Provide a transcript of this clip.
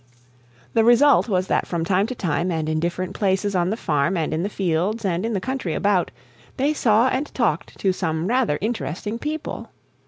The result was that from time to time, and in different places on the farm and in the fields and in the country about, they saw and talked to some rather interesting people.